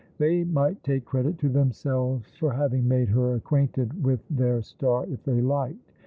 They might take credit to themselves for having made her acquainted with their star if they liked.